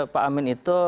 pak amin itu